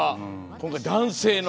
今回、男性の。